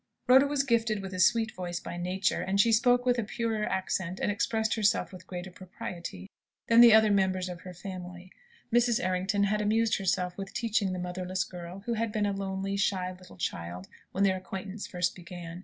Rhoda was gifted with a sweet voice by nature, and she spoke with a purer accent, and expressed herself with greater propriety, than the other members of her family. Mrs. Errington had amused herself with teaching the motherless girl, who had been a lonely, shy, little child when their acquaintance first began.